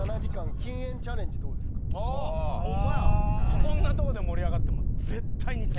こんなとこで盛り上がっても。